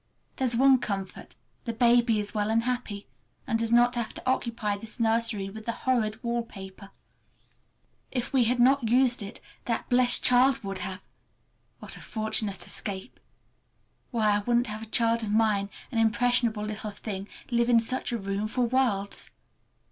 There's one comfort, the baby is well and happy, and does not have to occupy this nursery with the horrid wallpaper. If we had not used it that blessed child would have! What a fortunate escape! Why, I wouldn't have a child of mine, an impressionable little thing, live in such a room for worlds.